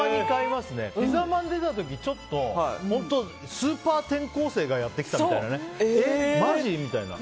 ピザまんが出た時スーパー転校生がやってきたみたいなね。